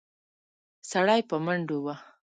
سړی په منډه و.